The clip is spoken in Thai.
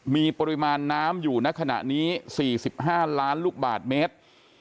มีปริมาณน้ำอยู่ในขณะนี้๔๕ล้านลูกบาทเมตร